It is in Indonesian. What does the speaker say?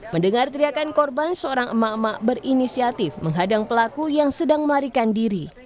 mendengar teriakan korban seorang emak emak berinisiatif menghadang pelaku yang sedang melarikan diri